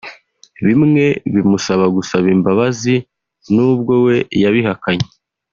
bimwe bimusaba gusaba imbabazi n’ubwo we yabihakanye